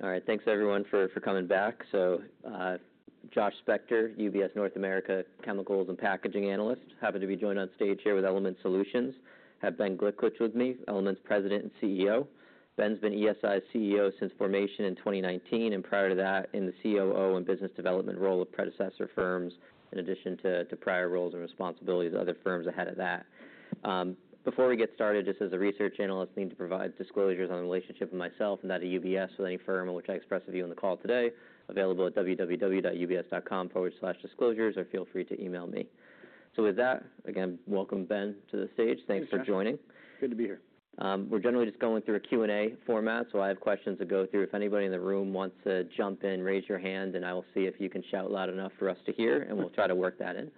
All right, thanks everyone for coming back. So, Josh Spector, UBS North America, Chemicals and Packaging analyst. Happy to be joined on stage here with Element Solutions. Have Ben Gliklich with me, Element's President and CEO. Ben's been ESI's CEO since formation in twenty nineteen, and prior to that, in the COO and business development role of predecessor firms, in addition to prior roles and responsibilities at other firms ahead of that. Before we get started, just as a research analyst, need to provide disclosures on the relationship of myself and that of UBS with any firm which I express with you on the call today, available at www.ubs.com/disclosures, or feel free to email me. With that, again, welcome, Ben, to the stage. Thanks, Josh. Thanks for joining. Good to be here. We're generally just going through a Q&A format, so I have questions to go through. If anybody in the room wants to jump in, raise your hand and I will see if you can shout loud enough for us to hear, and we'll try to work that in.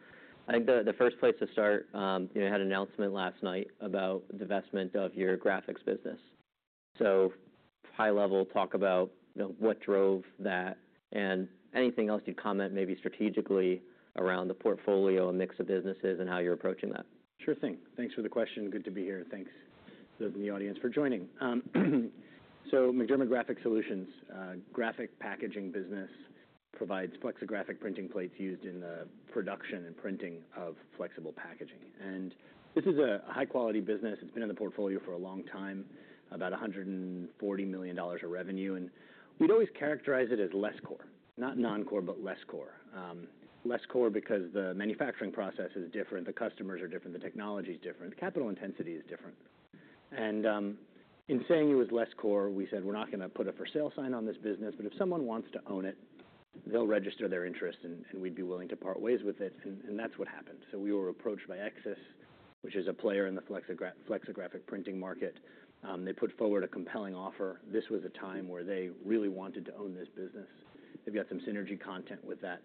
I think the first place to start, you know, had an announcement last night about divestment of your graphics business. So high level, talk about, you know, what drove that, and anything else you'd comment, maybe strategically, around the portfolio and mix of businesses and how you're approaching that? Sure thing. Thanks for the question. Good to be here, and thanks to the audience for joining. So MacDermid Graphics Solutions, graphic packaging business, provides flexographic printing plates used in the production and printing of flexible packaging. And this is a high quality business. It's been in the portfolio for a long time, about $140 million of revenue, and we'd always characterize it as less core. Not non-core, but less core. Less core because the manufacturing process is different, the customers are different, the technology is different, capital intensity is different. And in saying it was less core, we said, "We're not gonna put a for sale sign on this business, but if someone wants to own it, they'll register their interest and, and we'd be willing to part ways with it," and, and that's what happened. So we were approached by XSYS, which is a player in the flexographic printing market. They put forward a compelling offer. This was a time where they really wanted to own this business. They've got some synergy content with that.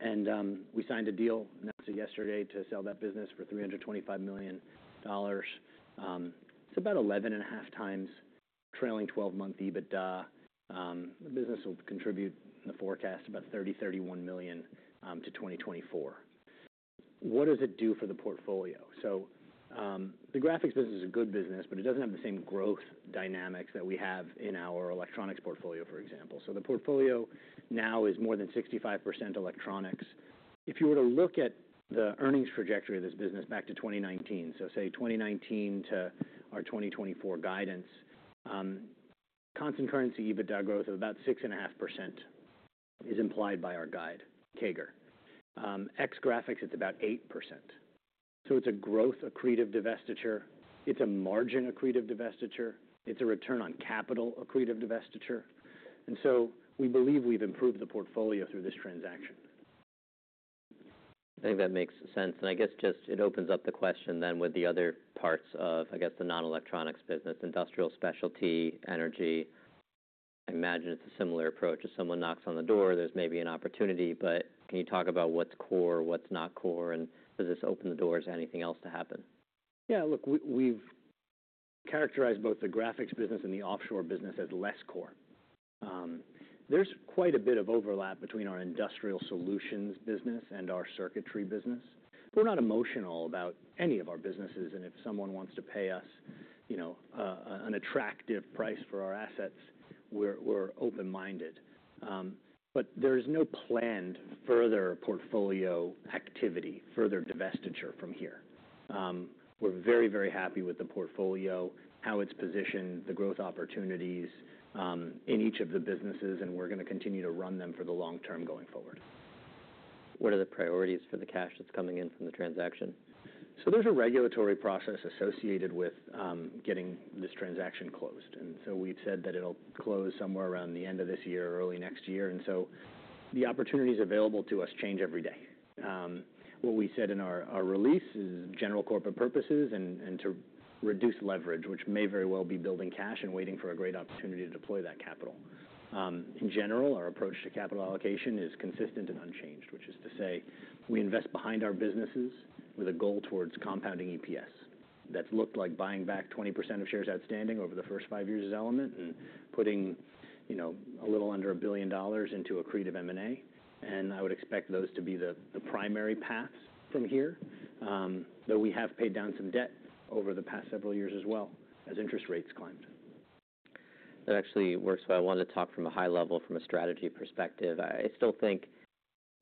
And we signed a deal, announced it yesterday, to sell that business for $325 million. It's about 11.5 times trailing twelve-month EBITDA. The business will contribute in the forecast about $30-$31 million to 2024. What does it do for the portfolio? So the graphics business is a good business, but it doesn't have the same growth dynamics that we have in our electronics portfolio, for example. So the portfolio now is more than 65% electronics. If you were to look at the earnings trajectory of this business back to twenty nineteen, so say twenty nineteen to our twenty twenty-four guidance, constant currency EBITDA growth of about 6.5% is implied by our guide, CAGR. Ex graphics, it's about 8%. So it's a growth accretive divestiture, it's a margin accretive divestiture, it's a return on capital accretive divestiture, and so we believe we've improved the portfolio through this transaction. I think that makes sense, and I guess just it opens up the question then, with the other parts of, I guess, the non-electronics business, industrial specialty, energy. I imagine it's a similar approach. If someone knocks on the door, there's maybe an opportunity, but can you talk about what's core, what's not core, and does this open the door to anything else to happen? Yeah, look, we've characterized both the graphics business and the offshore business as less core. There's quite a bit of overlap between our industrial solutions business and our circuitry business. We're not emotional about any of our businesses, and if someone wants to pay us, you know, an attractive price for our assets, we're open-minded. But there's no planned further portfolio activity, further divestiture from here. We're very, very happy with the portfolio, how it's positioned, the growth opportunities in each of the businesses, and we're gonna continue to run them for the long term going forward. What are the priorities for the cash that's coming in from the transaction? So there's a regulatory process associated with getting this transaction closed, and so we've said that it'll close somewhere around the end of this year or early next year, and so the opportunities available to us change every day. What we said in our release is general corporate purposes and to reduce leverage, which may very well be building cash and waiting for a great opportunity to deploy that capital. In general, our approach to capital allocation is consistent and unchanged, which is to say, we invest behind our businesses with a goal towards compounding EPS. That's looked like buying back 20% of shares outstanding over the first five years as Element and putting, you know, a little under $1 billion into accretive M&A, and I would expect those to be the primary paths from here. Though we have paid down some debt over the past several years as well, as interest rates climbed. That actually works, but I wanted to talk from a high level from a strategy perspective. I still think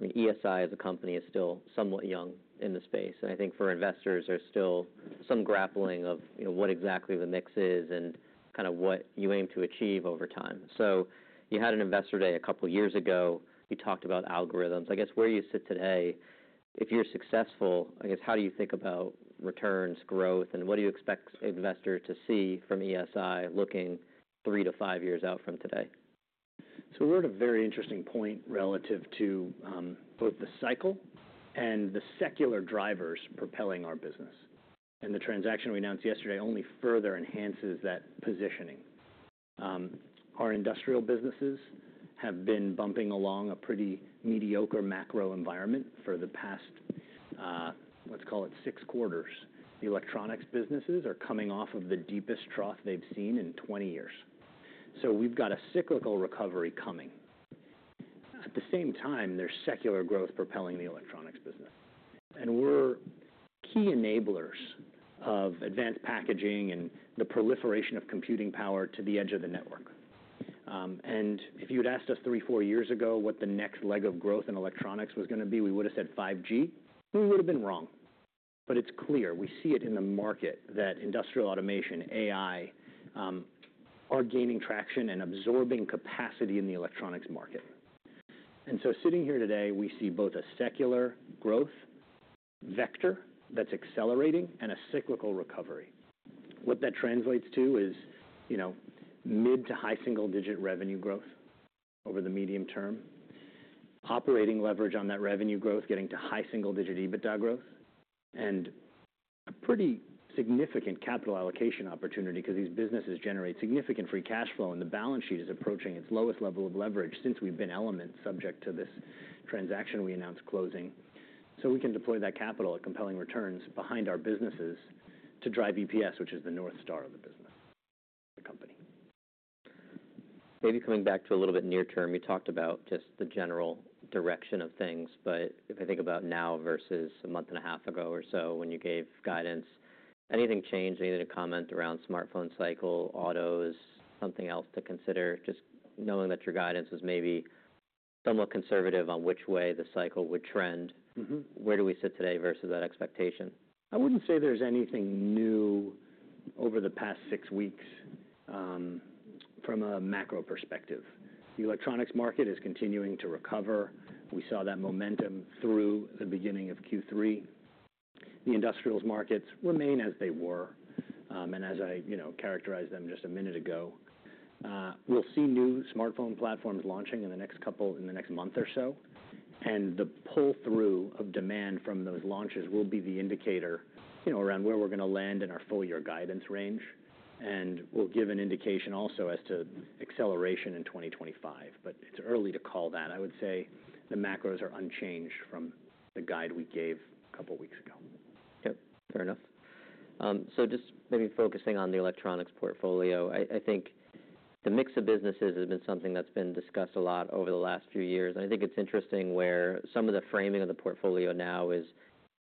ESI as a company is still somewhat young in the space, and I think for investors, there's still some grappling of, you know, what exactly the mix is and kind of what you aim to achieve over time. So you had an investor day a couple of years ago. You talked about Argomax. I guess, where you sit today, if you're successful, I guess, how do you think about returns, growth, and what do you expect investors to see from ESI looking three to five years out from today? So we're at a very interesting point relative to, both the cycle and the secular drivers propelling our business, and the transaction we announced yesterday only further enhances that positioning. Our industrial businesses have been bumping along a pretty mediocre macro environment for the past, let's call it six quarters. The electronics businesses are coming off of the deepest trough they've seen in twenty years. So we've got a cyclical recovery coming. At the same time, there's secular growth propelling the electronics business, and we're key enablers of advanced packaging and the proliferation of computing power to the edge of the network. And if you'd asked us three, four years ago what the next leg of growth in electronics was gonna be, we would have said 5G. We would have been wrong. But it's clear, we see it in the market, that industrial automation, AI, are gaining traction and absorbing capacity in the electronics market. And so sitting here today, we see both a secular growth vector that's accelerating and a cyclical recovery. What that translates to is, you know, mid to high single-digit revenue growth over the medium term, operating leverage on that revenue growth, getting to high single-digit EBITDA growth, and a pretty significant capital allocation opportunity, because these businesses generate significant free cash flow, and the balance sheet is approaching its lowest level of leverage since we've been Element, subject to this transaction we announced closing. So we can deploy that capital at compelling returns behind our businesses to drive EPS, which is the North Star of the business, the company. Maybe coming back to a little bit near term, you talked about just the general direction of things, but if I think about now versus a month and a half ago or so when you gave guidance, anything changed? Anything to comment around smartphone cycle, autos, something else to consider, just knowing that your guidance was maybe somewhat conservative on which way the cycle would trend? Mm-hmm. Where do we sit today versus that expectation? I wouldn't say there's anything new over the past six weeks from a macro perspective. The electronics market is continuing to recover. We saw that momentum through the beginning of Q3. The industrials markets remain as they were, and as I, you know, characterized them just a minute ago, we'll see new smartphone platforms launching in the next month or so, and the pull-through of demand from those launches will be the indicator, you know, around where we're gonna land in our full year guidance range, and we'll give an indication also as to acceleration in twenty twenty-five, but it's early to call that. I would say the macros are unchanged from the guide we gave a couple weeks ago. Yep, fair enough, so just maybe focusing on the electronics portfolio, I, I think the mix of businesses has been something that's been discussed a lot over the last few years, and I think it's interesting where some of the framing of the portfolio now is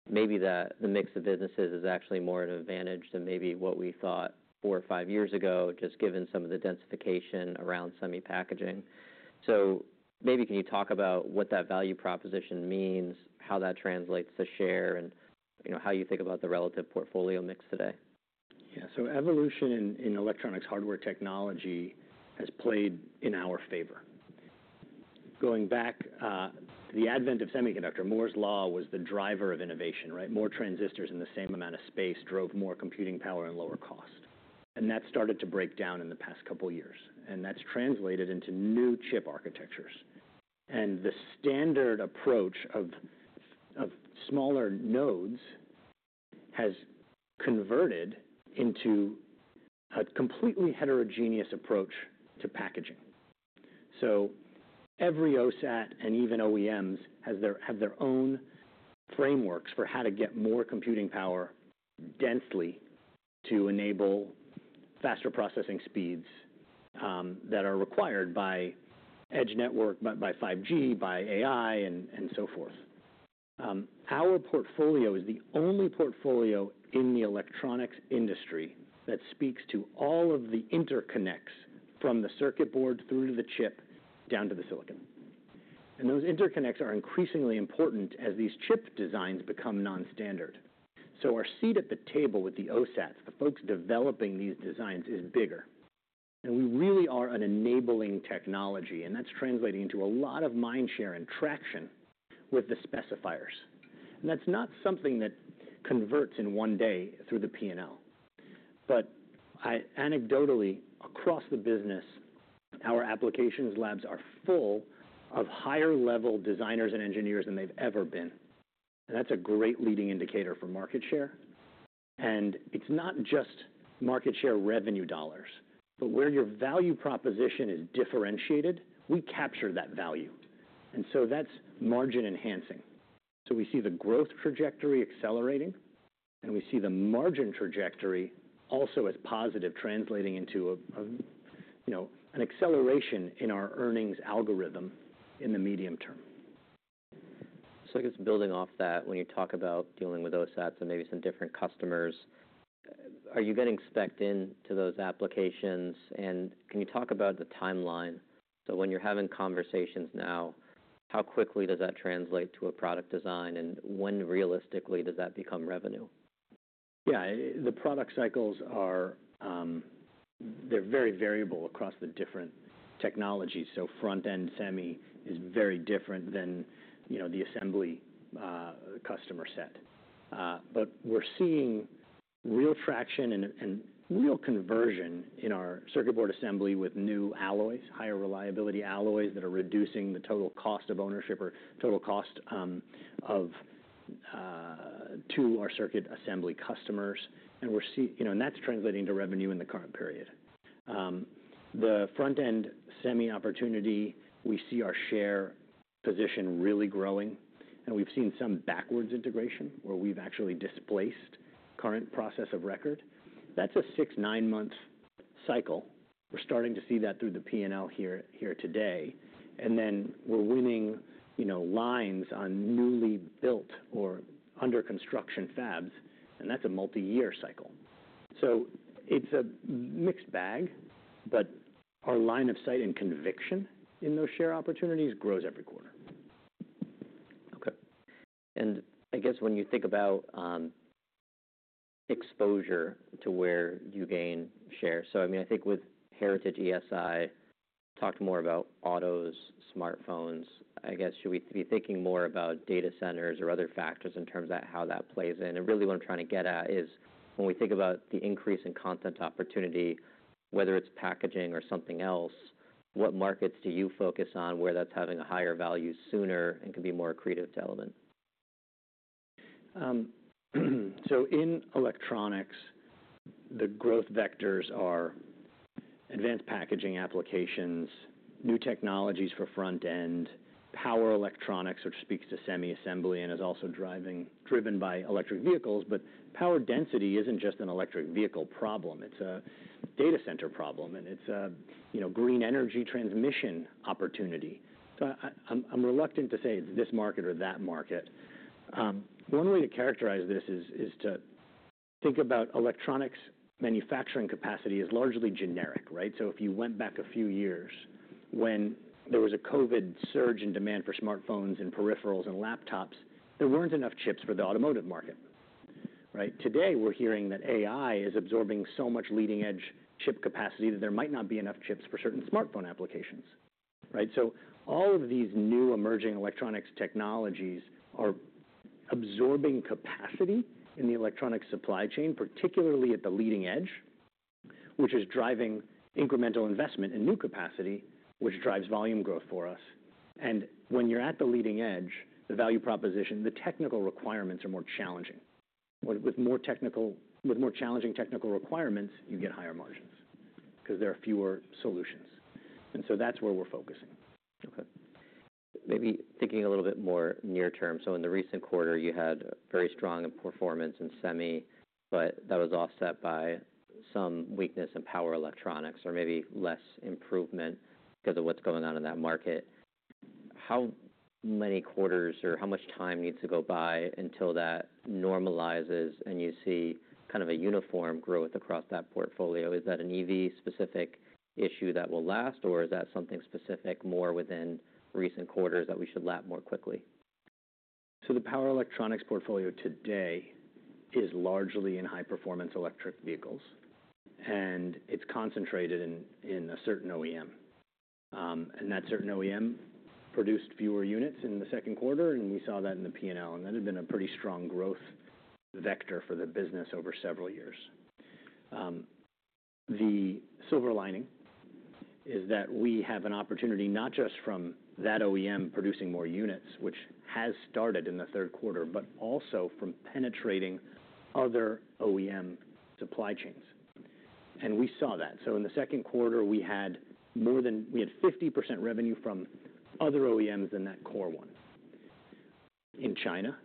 maybe the, the mix of businesses is actually more at an advantage than maybe what we thought four or five years ago, just given some of the densification around semi-packaging, so maybe can you talk about what that value proposition means, how that translates to share, and, you know, how you think about the relative portfolio mix today? Yeah. So evolution in electronics hardware technology has played in our favor. Going back to the advent of semiconductor, Moore's Law was the driver of innovation, right? More transistors in the same amount of space drove more computing power and lower cost, and that started to break down in the past couple of years, and that's translated into new chip architectures. And the standard approach of smaller nodes has converted into a completely heterogeneous approach to packaging. So every OSAT and even OEMs have their own frameworks for how to get more computing power densely to enable faster processing speeds that are required by edge network, by 5G, by AI, and so forth. Our portfolio is the only portfolio in the electronics industry that speaks to all of the interconnects from the circuit board through to the chip, down to the silicon, and those interconnects are increasingly important as these chip designs become non-standard, so our seat at the table with the OSATs, the folks developing these designs, is bigger, and we really are an enabling technology, and that's translating into a lot of mind share and traction with the specifiers, and that's not something that converts in one day through the P&L, but anecdotally, across the business, our applications labs are full of higher level designers and engineers than they've ever been, and that's a great leading indicator for market share, and it's not just market share revenue dollars, but where your value proposition is differentiated, we capture that value, and so that's margin-enhancing. So we see the growth trajectory accelerating, and we see the margin trajectory also as positive, translating into you know an acceleration in our earnings algorithm in the medium term. So I guess building off that, when you talk about dealing with OSATs and maybe some different customers, are you getting spec'd into those applications? And can you talk about the timeline? So when you're having conversations now, how quickly does that translate to a product design, and when, realistically, does that become revenue? Yeah. The product cycles are, they're very variable across the different technologies. So front-end semi is very different than, you know, the assembly customer set. But we're seeing real traction and real conversion in our circuit board assembly with new alloys, higher reliability alloys that are reducing the total cost of ownership or total cost to our circuit assembly customers. And we're seeing, you know, and that's translating to revenue in the current period. The front-end semi opportunity, we see our share position really growing, and we've seen some backwards integration, where we've actually displaced current process of record. That's a six, nine-month cycle. We're starting to see that through the P&L here today. And then we're winning, you know, lines on newly built or under construction fabs, and that's a multi-year cycle. So it's a mixed bag, but our line of sight and conviction in those share opportunities grows every quarter. Okay. And I guess when you think about exposure to where you gain shares, so, I mean, I think with Heritage ESI, talked more about autos, smartphones. I guess, should we be thinking more about data centers or other factors in terms of how that plays in? And really what I'm trying to get at is, when we think about the increase in content opportunity, whether it's packaging or something else, what markets do you focus on, where that's having a higher value sooner and can be more accretive to Element? So in electronics, the growth vectors are advanced packaging applications, new technologies for front end, power electronics, which speaks to semi assembly and is also driven by electric vehicles. But power density isn't just an electric vehicle problem, it's a data center problem, and it's a you know green energy transmission opportunity. So I am reluctant to say it's this market or that market. The only way to characterize this is to think about electronics manufacturing capacity as largely generic, right? So if you went back a few years when there was a COVID surge in demand for smartphones and peripherals and laptops, there weren't enough chips for the automotive market, right? Today, we're hearing that AI is absorbing so much leading-edge chip capacity, that there might not be enough chips for certain smartphone applications, right? All of these new emerging electronics technologies are absorbing capacity in the electronic supply chain, particularly at the leading edge, which is driving incremental investment in new capacity, which drives volume growth for us. When you're at the leading edge, the value proposition, the technical requirements are more challenging. With more challenging technical requirements, you get higher margins because there are fewer solutions. That's where we're focusing. Okay. Maybe thinking a little bit more near term. So in the recent quarter, you had very strong performance in semi, but that was offset by some weakness in power electronics or maybe less improvement because of what's going on in that market. How many quarters or how much time needs to go by until that normalizes and you see kind of a uniform growth across that portfolio? Is that an EV-specific issue that will last, or is that something specific more within recent quarters that we should lap more quickly? The power electronics portfolio today is largely in high-performance electric vehicles, and it's concentrated in a certain OEM. That certain OEM produced fewer units in the second quarter, and we saw that in the P&L, and that had been a pretty strong growth vector for the business over several years. The silver lining is that we have an opportunity, not just from that OEM producing more units, which has started in the third quarter, but also from penetrating other OEM supply chains. We saw that. In the second quarter, we had more than 50% revenue from other OEMs than that core one. In China,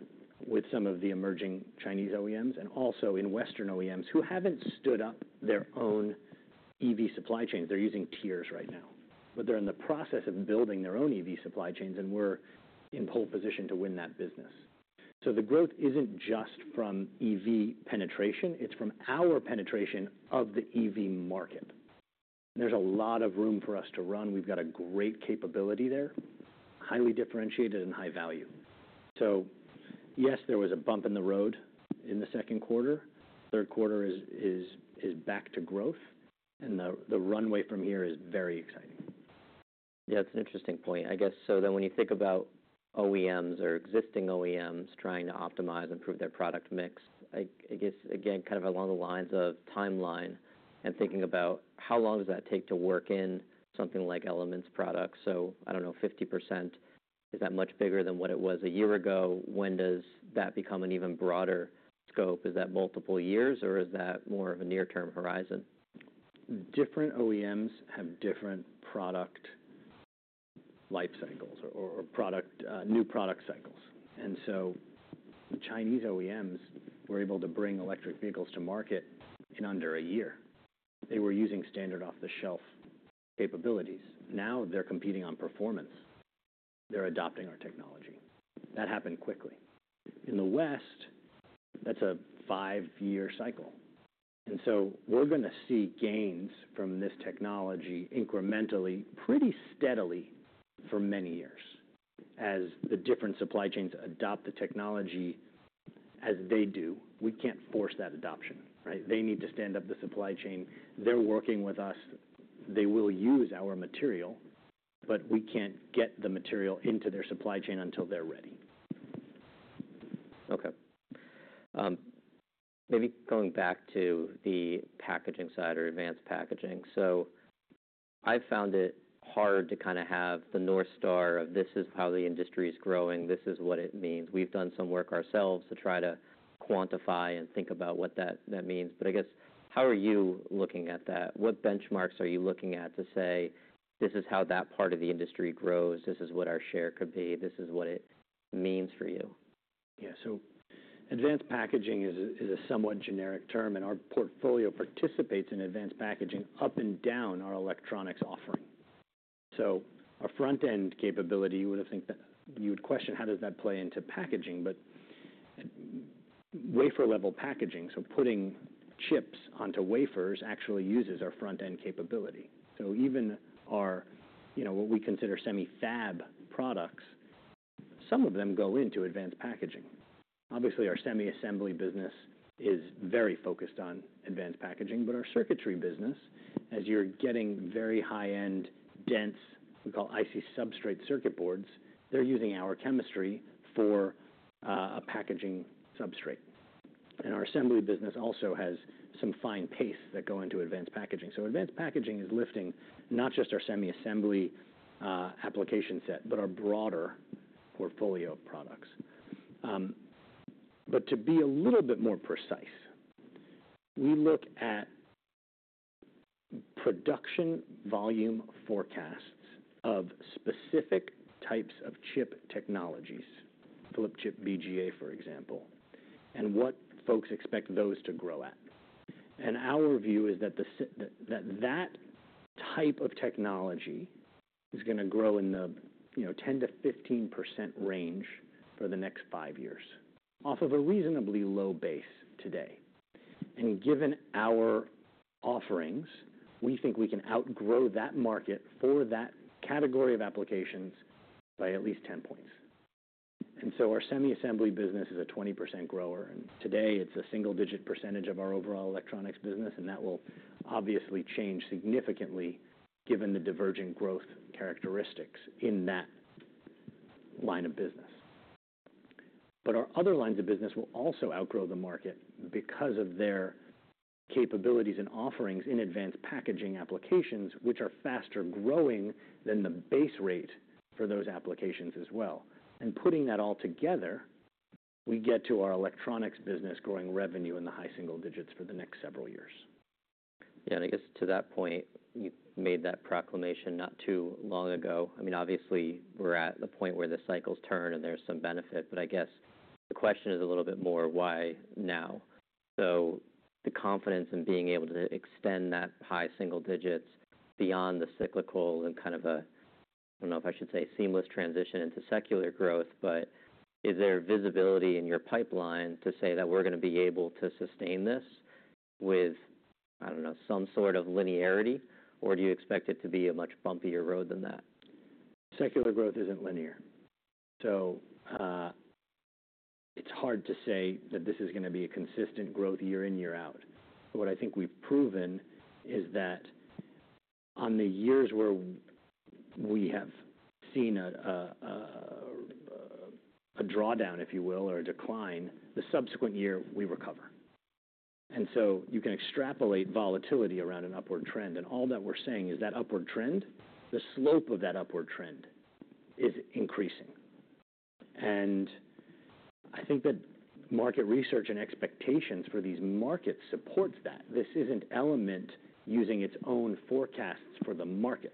with some of the emerging Chinese OEMs, and also in Western OEMs, who haven't stood up their own EV supply chains. They're using tiers right now, but they're in the process of building their own EV supply chains, and we're in pole position to win that business. So the growth isn't just from EV penetration, it's from our penetration of the EV market. There's a lot of room for us to run. We've got a great capability there, highly differentiated and high value. So yes, there was a bump in the road in the second quarter. Third quarter is back to growth, and the runway from here is very exciting. Yeah, it's an interesting point. I guess, so then when you think about OEMs or existing OEMs trying to optimize, improve their product mix, I guess, again, kind of along the lines of timeline and thinking about how long does that take to work in something like Element's products? So I don't know, 50%, is that much bigger than what it was a year ago? When does that become an even broader scope? Is that multiple years, or is that more of a near-term horizon? Different OEMs have different product life cycles or new product cycles. And so Chinese OEMs were able to bring electric vehicles to market in under a year. They were using standard off-the-shelf capabilities. Now they're competing on performance. They're adopting our technology. That happened quickly. In the West, that's a five-year cycle, and so we're going to see gains from this technology incrementally, pretty steadily for many years as the different supply chains adopt the technology as they do. We can't force that adoption, right? They need to stand up the supply chain. They're working with us. They will use our material, but we can't get the material into their supply chain until they're ready. Okay. Maybe going back to the packaging side or advanced packaging. So I've found it hard to kind of have the North Star of this is how the industry is growing, this is what it means. We've done some work ourselves to try to quantify and think about what that means. But I guess, how are you looking at that? What benchmarks are you looking at to say, this is how that part of the industry grows, this is what our share could be, this is what it means for you?... Yeah, so advanced packaging is a somewhat generic term, and our portfolio participates in advanced packaging up and down our electronics offering. So a front-end capability, you would question, how does that play into packaging? But wafer level packaging, so putting chips onto wafers, actually uses our front-end capability. So even our, you know, what we consider semi-fab products, some of them go into advanced packaging. Obviously, our semi-assembly business is very focused on advanced packaging, but our circuitry business, as you're getting very high-end, dense, we call IC substrate circuit boards, they're using our chemistry for a packaging substrate. And our assembly business also has some fine pitch that go into advanced packaging. So advanced packaging is lifting not just our semi-assembly application set, but our broader portfolio of products. But to be a little bit more precise, we look at production volume forecasts of specific types of chip technologies, flip chip BGA, for example, and what folks expect those to grow at. And our view is that that type of technology is gonna grow in the, you know, 10-15% range for the next five years, off of a reasonably low base today. And given our offerings, we think we can outgrow that market for that category of applications by at least 10 points. And so our semi-assembly business is a 20% grower, and today it's a single-digit percentage of our overall electronics business, and that will obviously change significantly given the diverging growth characteristics in that line of business. But our other lines of business will also outgrow the market because of their capabilities and offerings in advanced packaging applications, which are faster growing than the base rate for those applications as well. And putting that all together, we get to our electronics business growing revenue in the high single digits for the next several years. Yeah, and I guess to that point, you made that proclamation not too long ago. I mean, obviously, we're at the point where the cycles turn and there's some benefit, but I guess the question is a little bit more, why now? So the confidence in being able to extend that high single digits beyond the cyclical and kind of a, I don't know if I should say, seamless transition into secular growth, but is there visibility in your pipeline to say that we're gonna be able to sustain this with, I don't know, some sort of linearity, or do you expect it to be a much bumpier road than that? Secular growth isn't linear, so it's hard to say that this is gonna be a consistent growth year in, year out. What I think we've proven is that on the years where we have seen a drawdown, if you will, or a decline, the subsequent year, we recover. And so you can extrapolate volatility around an upward trend, and all that we're saying is that upward trend, the slope of that upward trend, is increasing. And I think that market research and expectations for these markets supports that. This isn't Element using its own forecasts for the market.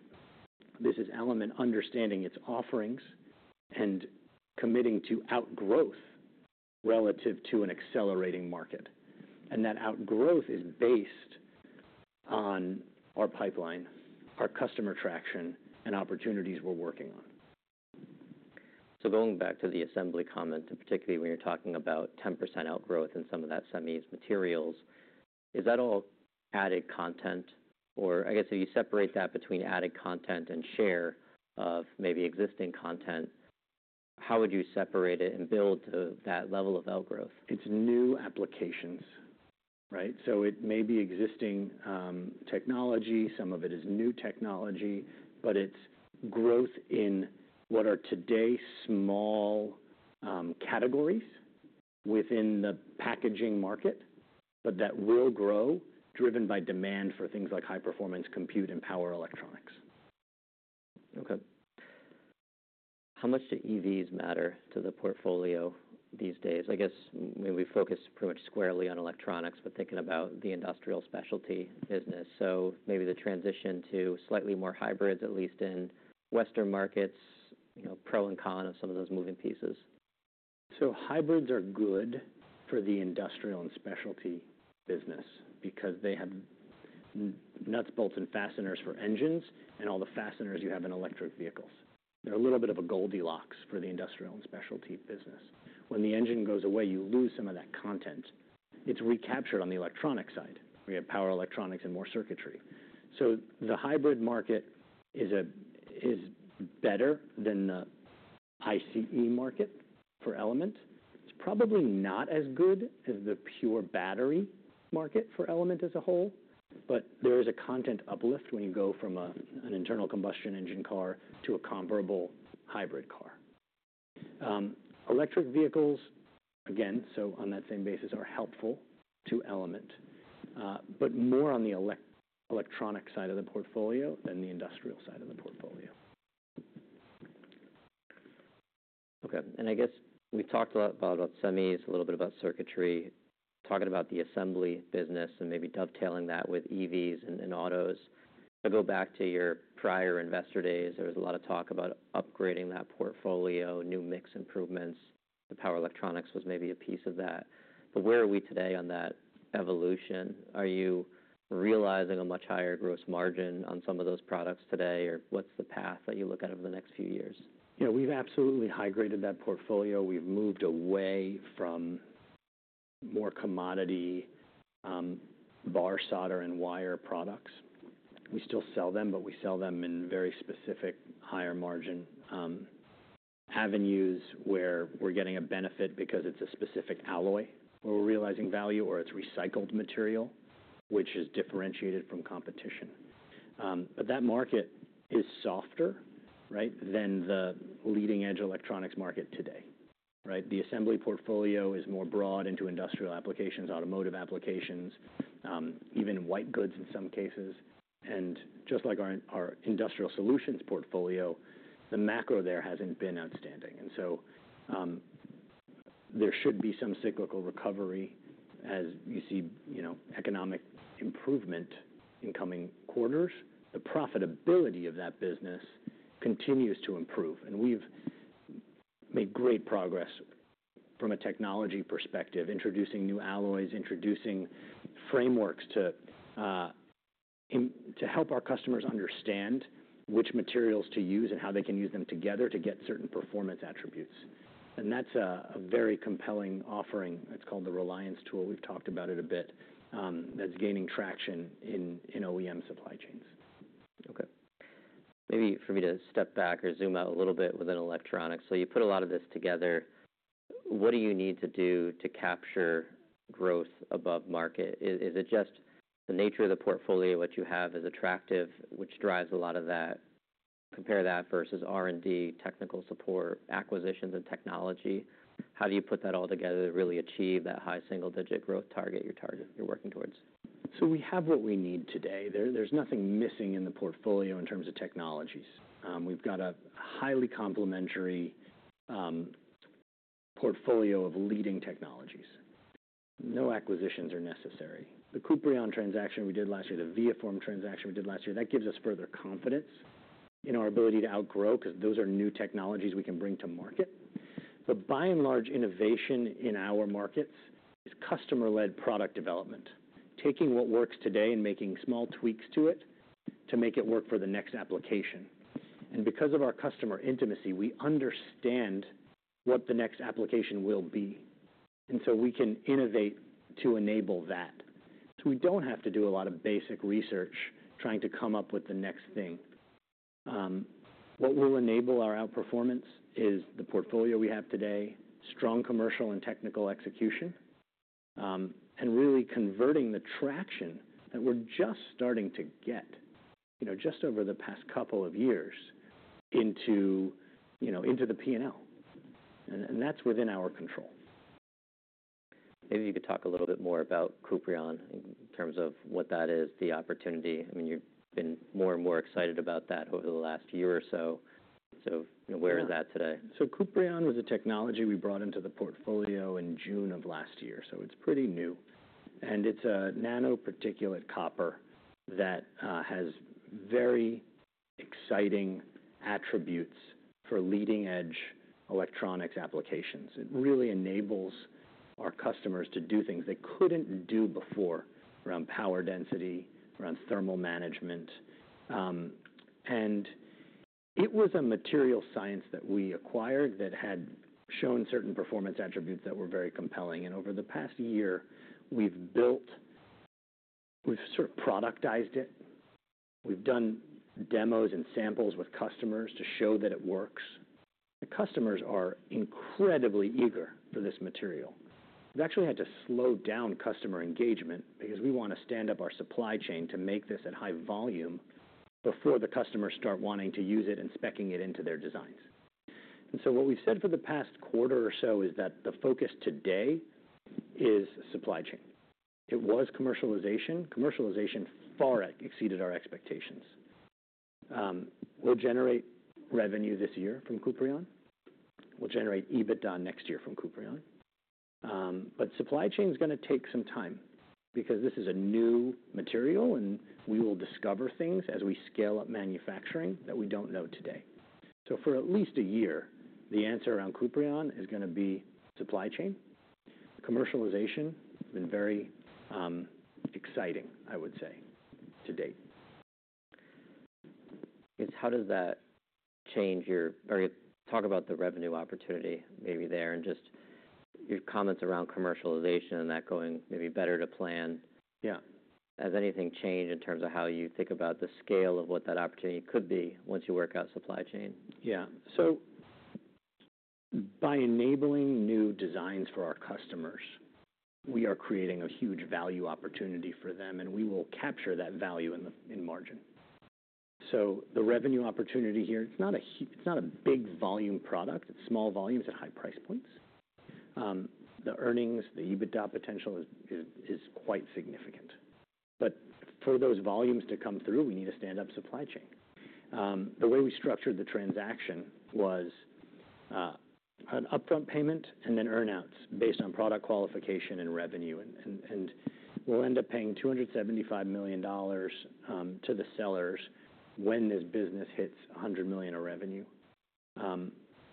This is Element understanding its offerings and committing to outgrowth relative to an accelerating market, and that outgrowth is based on our pipeline, our customer traction, and opportunities we're working on. Going back to the assembly comment, and particularly when you're talking about 10% outgrowth and some of that semis materials, is that all added content? Or I guess, if you separate that between added content and share of maybe existing content, how would you separate it and build to that level of outgrowth? It's new applications, right? So it may be existing technology. Some of it is new technology, but it's growth in what are today small categories within the packaging market, but that will grow, driven by demand for things like high-performance compute and power electronics. Okay. How much do EVs matter to the portfolio these days? I guess, maybe we focus pretty much squarely on electronics, but thinking about the industrial specialty business, so maybe the transition to slightly more hybrids, at least in Western markets, you know, pro and con of some of those moving pieces. So hybrids are good for the industrial and specialty business because they have nuts, bolts, and fasteners for engines, and all the fasteners you have in electric vehicles. They're a little bit of a Goldilocks for the industrial and specialty business. When the engine goes away, you lose some of that content. It's recaptured on the electronic side, where you have power electronics and more circuitry. So the hybrid market is better than the ICE market for Element. It's probably not as good as the pure battery market for Element as a whole, but there is a content uplift when you go from an internal combustion engine car to a comparable hybrid car. Electric vehicles, again, so on that same basis, are helpful to Element, but more on the electronic side of the portfolio than the industrial side of the portfolio. Okay, and I guess we talked a lot about semis, a little bit about circuitry. Talking about the assembly business and maybe dovetailing that with EVs and autos. If I go back to your prior investor days, there was a lot of talk about upgrading that portfolio, new mix improvements. The power electronics was maybe a piece of that, but where are we today on that evolution? Are you realizing a much higher gross margin on some of those products today, or what's the path that you look at over the next few years? Yeah, we've absolutely high-graded that portfolio. We've moved away from more commodity, bar solder and wire products. We still sell them, but we sell them in very specific higher margin, avenues, where we're getting a benefit because it's a specific alloy, where we're realizing value, or it's recycled material, which is differentiated from competition. But that market is softer, right, than the leading-edge electronics market today, right? The assembly portfolio is more broad into industrial applications, automotive applications, even white goods in some cases. And just like our industrial solutions portfolio, the macro there hasn't been outstanding, and so, there should be some cyclical recovery as you see, you know, economic improvement in coming quarters. The profitability of that business continues to improve, and we've made great progress from a technology perspective, introducing new alloys, introducing frameworks to help our customers understand which materials to use and how they can use them together to get certain performance attributes. And that's a very compelling offering. It's called the Reliance Tool. We've talked about it a bit, that's gaining traction in OEM supply chains. Okay. Maybe for me to step back or zoom out a little bit within electronics. So you put a lot of this together, what do you need to do to capture growth above market? Is it just the nature of the portfolio, what you have is attractive, which drives a lot of that? Compare that versus R&D, technical support, acquisitions, and technology. How do you put that all together to really achieve that high single-digit growth target you're working towards? So we have what we need today. There's nothing missing in the portfolio in terms of technologies. We've got a highly complementary portfolio of leading technologies. No acquisitions are necessary. The Kuprion transaction we did last year, the ViaForm transaction we did last year, that gives us further confidence in our ability to outgrow, 'cause those are new technologies we can bring to market. But by and large, innovation in our markets is customer-led product development, taking what works today and making small tweaks to it to make it work for the next application. And because of our customer intimacy, we understand what the next application will be, and so we can innovate to enable that. So we don't have to do a lot of basic research, trying to come up with the next thing. What will enable our outperformance is the portfolio we have today, strong commercial and technical execution, and really converting the traction that we're just starting to get, you know, just over the past couple of years, into, you know, into the P&L, and, and that's within our control. Maybe you could talk a little bit more about Kuprion in terms of what that is, the opportunity. I mean, you've been more and more excited about that over the last year or so. So where is that today? So Kuprion was a technology we brought into the portfolio in June of last year, so it's pretty new, and it's a nanoparticulate copper that has very exciting attributes for leading-edge electronics applications. It really enables our customers to do things they couldn't do before, around power density, around thermal management. And it was a material science that we acquired that had shown certain performance attributes that were very compelling, and over the past year, we've sort of productized it. We've done demos and samples with customers to show that it works. The customers are incredibly eager for this material. We've actually had to slow down customer engagement because we wanna stand up our supply chain to make this at high volume before the customers start wanting to use it and speccing it into their designs. And so what we've said for the past quarter or so is that the focus today is supply chain. It was commercialization. Commercialization far exceeded our expectations. We'll generate revenue this year from Kuprion. We'll generate EBITDA next year from Kuprion. But supply chain's gonna take some time because this is a new material, and we will discover things as we scale up manufacturing that we don't know today. So for at least a year, the answer around Kuprion is gonna be supply chain. Commercialization has been very, exciting, I would say, to date. How does that change your...? Or talk about the revenue opportunity maybe there, and just your comments around commercialization and that going maybe better to plan? Yeah. Has anything changed in terms of how you think about the scale of what that opportunity could be once you work out supply chain? Yeah. So by enabling new designs for our customers, we are creating a huge value opportunity for them, and we will capture that value in the- in margin. So the revenue opportunity here, it's not a big volume product. It's small volumes at high price points. The earnings, the EBITDA potential is quite significant. But for those volumes to come through, we need a stand-up supply chain. The way we structured the transaction was an upfront payment and then earn outs based on product qualification and revenue. And we'll end up paying $275 million to the sellers when this business hits $100 million of revenue.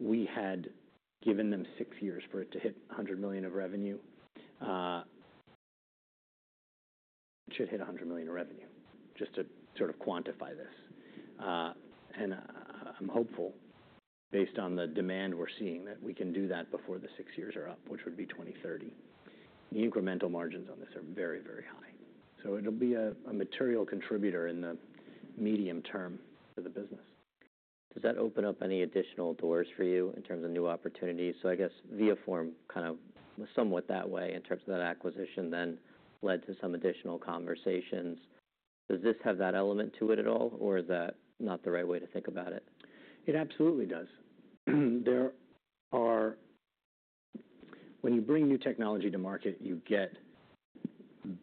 We had given them six years for it to hit $100 million of revenue. It should hit $100 million in revenue, just to sort of quantify this, and I'm hopeful, based on the demand we're seeing, that we can do that before the six years are up, which would be 2030. The incremental margins on this are very, very high, so it'll be a, a material contributor in the medium term for the business. Does that open up any additional doors for you in terms of new opportunities? So I guess ViaForm kind of somewhat that way, in terms of that acquisition, then led to some additional conversations. Does this have that element to it at all, or is that not the right way to think about it? It absolutely does. There are. When you bring new technology to market, you get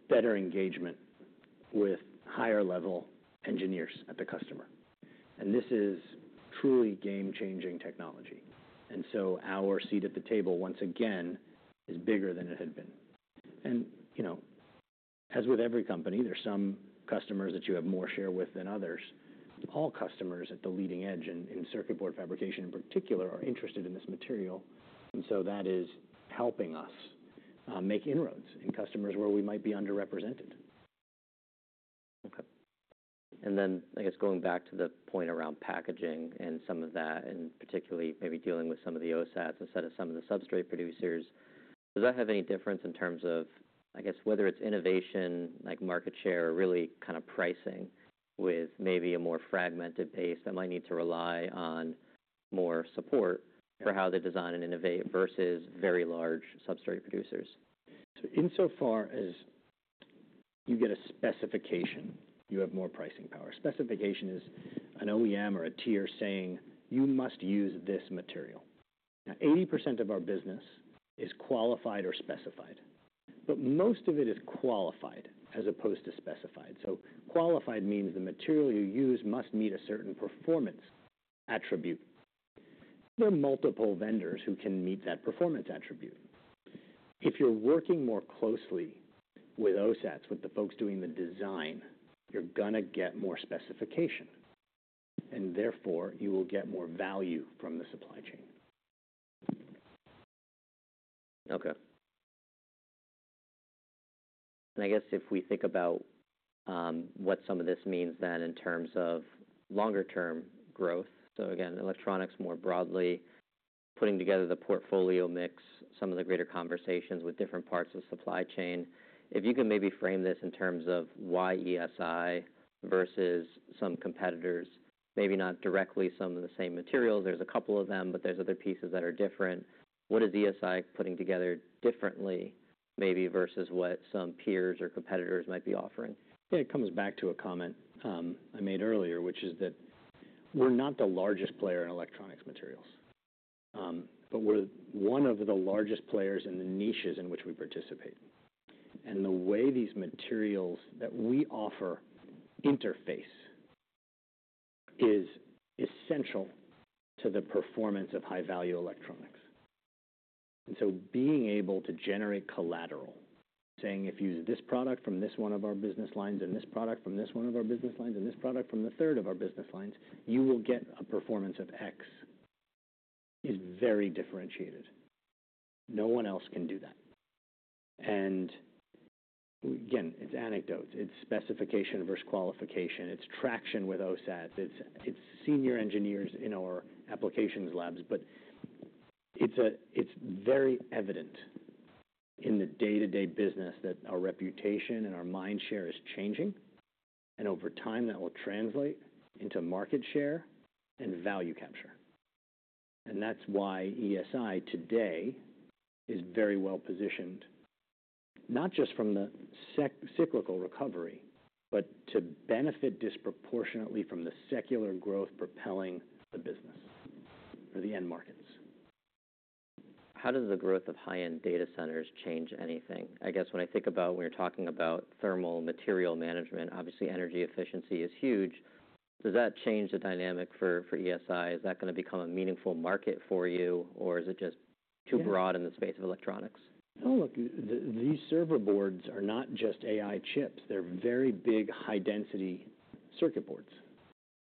better engagement with higher-level engineers at the customer, and this is truly game-changing technology. And so our seat at the table, once again, is bigger than it had been. And, you know, as with every company, there's some customers that you have more share with than others. All customers at the leading edge, in circuit board fabrication, in particular, are interested in this material, and so that is helping us make inroads in customers where we might be underrepresented. Okay. And then, I guess, going back to the point around packaging and some of that, and particularly maybe dealing with some of the OSATs instead of some of the substrate producers, does that have any difference in terms of, I guess, whether it's innovation, like market share, or really kind of pricing with maybe a more fragmented base that might need to rely on more support for how they design and innovate versus very large substrate producers? So insofar as you get a specification, you have more pricing power. Specification is an OEM or a tier saying, "You must use this material." Now, 80% of our business is qualified or specified, but most of it is qualified as opposed to specified. So qualified means the material you use must meet a certain performance attribute. There are multiple vendors who can meet that performance attribute. If you're working more closely with OSATs, with the folks doing the design, you're gonna get more specification, and therefore you will get more value from the supply chain. Okay, and I guess if we think about what some of this means then in terms of longer-term growth, so again, electronics more broadly, putting together the portfolio mix, some of the greater conversations with different parts of the supply chain. If you could maybe frame this in terms of why ESI versus some competitors, maybe not directly some of the same materials, there's a couple of them, but there's other pieces that are different. What is ESI putting together differently, maybe versus what some peers or competitors might be offering? It comes back to a comment, I made earlier, which is that we're not the largest player in electronics materials, but we're one of the largest players in the niches in which we participate. And the way these materials that we offer interface is essential to the performance of high-value electronics. And so being able to generate collateral, saying, "If you use this product from this one of our business lines, and this product from this one of our business lines, and this product from the third of our business lines, you will get a performance of X," is very differentiated. No one else can do that. And again, it's anecdotes, it's specification versus qualification, it's traction with OSAT, it's senior engineers in our applications labs, but it's very evident in the day-to-day business that our reputation and our mind share is changing, and over time, that will translate into market share and value capture. And that's why ESI today is very well positioned, not just from the secular-cyclical recovery, but to benefit disproportionately from the secular growth propelling the business for the end markets. How does the growth of high-end data centers change anything? I guess when I think about when you're talking about thermal material management, obviously energy efficiency is huge. Does that change the dynamic for ESI? Is that gonna become a meaningful market for you, or is it just too broad in the space of electronics? No, look, these server boards are not just AI chips, they're very big, high-density circuit boards,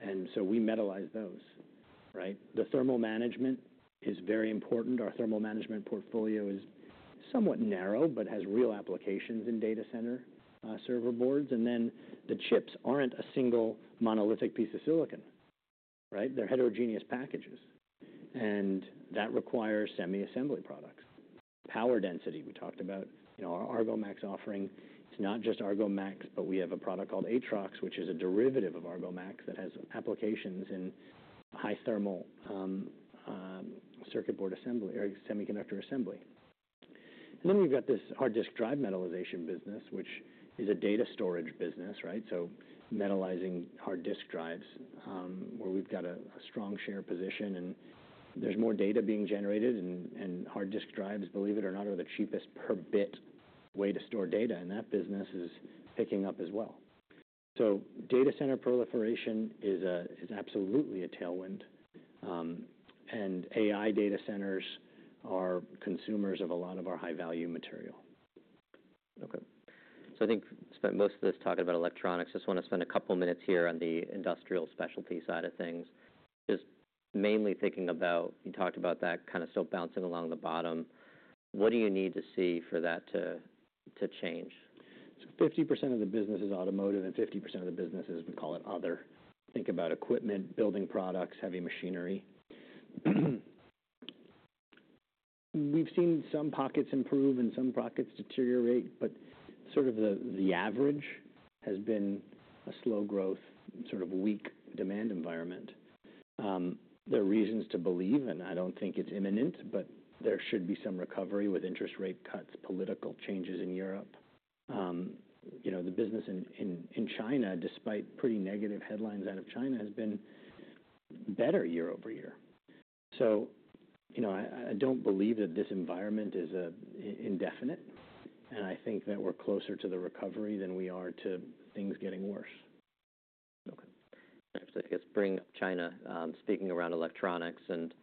and so we metallize those, right? The thermal management is very important. Our thermal management portfolio is somewhat narrow, but has real applications in data center, server boards. And then the chips aren't a single monolithic piece of silicon, right? They're heterogeneous packages, and that requires semi-assembly products. Power density, we talked about. You know, our Argomax offering, it's not just Argomax, but we have a product called Atrox, which is a derivative of Argomax that has applications in high thermal, circuit board assembly or semiconductor assembly. And then we've got this hard disk drive metallization business, which is a data storage business, right? So metallizing hard disk drives, where we've got a strong share position, and there's more data being generated, and hard disk drives, believe it or not, are the cheapest per bit way to store data, and that business is picking up as well. Data center proliferation is absolutely a tailwind. And AI data centers are consumers of a lot of our high-value material. Okay. So I think we spent most of this talking about electronics. Just wanna spend a couple minutes here on the industrial specialty side of things. Just mainly thinking about, you talked about that kind of still bouncing along the bottom. What do you need to see for that to change? 50% of the business is automotive, and 50% of the business is, we call it other. Think about equipment, building products, heavy machinery. We've seen some pockets improve and some pockets deteriorate, but sort of the average has been a slow growth, sort of weak demand environment. There are reasons to believe, and I don't think it's imminent, but there should be some recovery with interest rate cuts, political changes in Europe. You know, the business in China, despite pretty negative headlines out of China, has been better year over year. So, you know, I don't believe that this environment is indefinite, and I think that we're closer to the recovery than we are to things getting worse. Okay. I guess bring China, speaking around electronics, and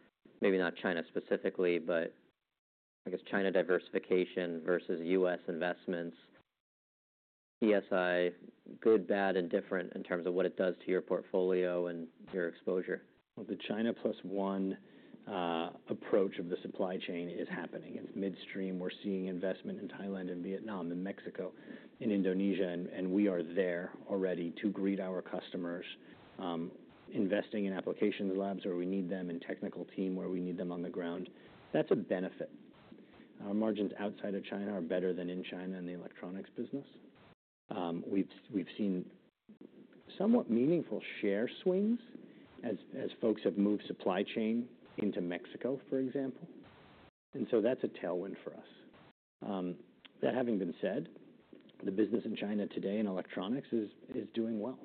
maybe not China specifically, but I guess China diversification versus US investments. ESI, good, bad, and different in terms of what it does to your portfolio and your exposure. The China plus one approach of the supply chain is happening. It's midstream. We're seeing investment in Thailand and Vietnam and Mexico and Indonesia, and we are there already to greet our customers, investing in applications labs where we need them, and technical team, where we need them on the ground. That's a benefit. Our margins outside of China are better than in China in the electronics business. We've seen somewhat meaningful share swings as folks have moved supply chain into Mexico, for example, and so that's a tailwind for us. That having been said, the business in China today in electronics is doing well.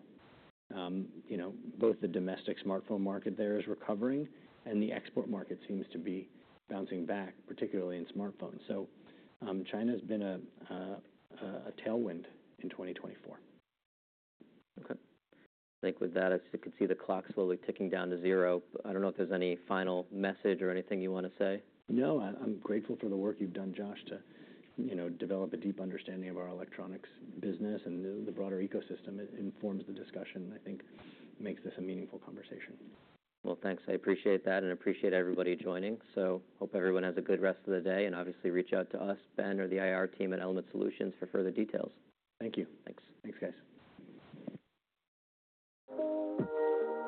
You know, both the domestic smartphone market there is recovering, and the export market seems to be bouncing back, particularly in smartphones. China's been a tailwind in twenty twenty-four. Okay. I think with that, as you can see the clock slowly ticking down to zero. I don't know if there's any final message or anything you wanna say? No, I'm grateful for the work you've done, Josh, to, you know, develop a deep understanding of our electronics business and the broader ecosystem. It informs the discussion, and I think makes this a meaningful conversation. Thanks. I appreciate that, and appreciate everybody joining. Hope everyone has a good rest of the day, and obviously, reach out to us, Ben, or the IR team at Element Solutions for further details. Thank you. Thanks. Thanks, guys.